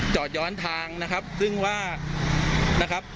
จอดย้อนทางนะครับซึ่งว่า